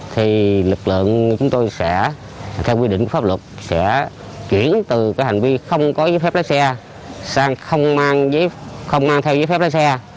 thì lực lượng chúng tôi sẽ theo quy định của pháp luật sẽ chuyển từ hành vi không có giấy phép lấy xe sang không mang theo giấy phép lấy xe